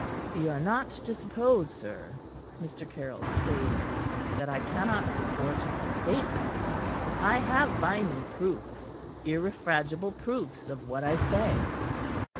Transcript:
"Ye are not to suppose, sir," Mr. Caryll stayed him, "that I cannot support my statements. I have by me proofs irrefragable proofs of what I say."